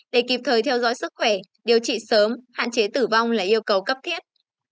để kịp thời theo dõi sức khỏe điều trị sớm hạn chế tử vong là yêu cầu cấp thiết